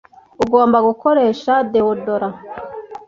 Ugomba gukoresha deodorant.